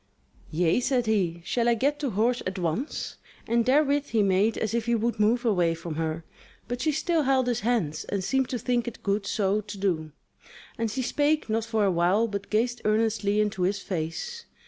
"Yea," said he, "Shall I get to horse at once?" And therewith he made as if he would move away from her; but she still held his hands, and seemed to think it good so to do, and she spake not for a while but gazed earnestly into his face.